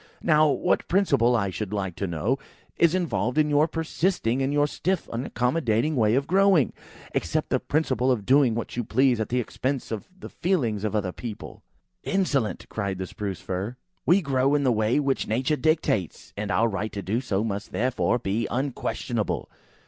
Now what principle, I should like to know, is involved in your persisting in your stiff unaccommodating way of growing, except the principle of doing what you please at the expense of the feelngs of other people?" "Insolent!" cried the Spruce fir; "we grow in the way which Nature dictates; and our right to do so must therefore be unquestionable.